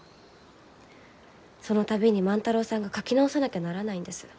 その度に万太郎さんが描き直さなきゃならないんです。